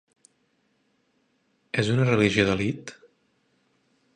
És una religió d'elit?